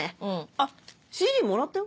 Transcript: あっＣＤもらったよ。